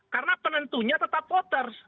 karena penentunya tetap voters